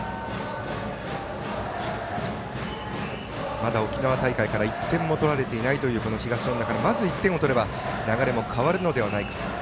まだ沖縄大会から１点も取られていないという東恩納からまず、１点を取れれば流れも変わるのではないか。